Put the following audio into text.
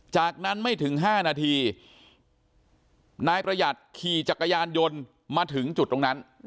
จากนั้นไม่ถึง๕นาทีนายประหยัดขี่จักรยานยนต์มาถึงจุดตรงนั้น